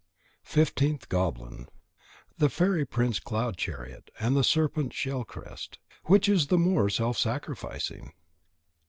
FIFTEENTH GOBLIN _The Fairy Prince Cloud chariot and the Serpent Shell crest. Which is the more self sacrificing?